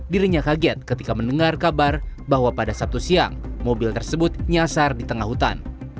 dirinya kaget ketika mendengar kabar bahwa pada sabtu siang mobil tersebut nyasar di tengah hutan